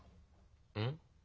うん？